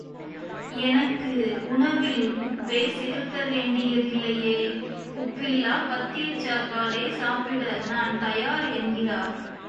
எனக்கு உணவில் உப்பே சேர்க்க வேண்டியதில்லையே, உப்பில்லாப் பத்தியச் சாப்பாடே சாப்பிட நான் தயார் என்கிறார்.